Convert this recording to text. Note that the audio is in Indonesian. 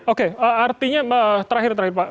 oke artinya terakhir terakhir pak